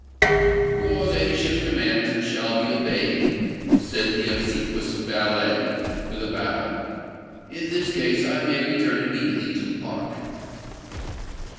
"Your ladyship's commands shall be obeyed," said the obsequious valet, with a bow. "In this case, I may return immediately to the Park."